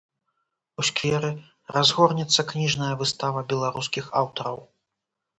У скверы разгорнецца кніжная выстава беларускіх аўтараў.